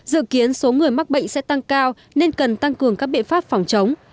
dự kiến số người mắc bệnh sẽ tăng cao nên cần tăng cường các biện pháp phòng chống